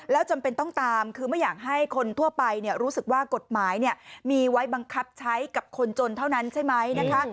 แล้วจำเป็นต้องตามคือไม่อยากให้คนทั่วไปรู้สึกว่ากฎหมายมีไว้บังคับใช้กับคนจนเท่านั้นใช่ไหมนะคะ